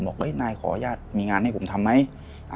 บอกนายขออนุญาตมีงานให้ผมทำไหม